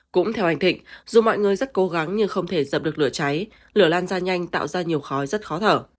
cũng theo anh thịnh dù mọi người rất cố gắng nhưng không thể dập được lửa cháy lửa lan ra nhanh tạo ra nhiều khói rất khó thở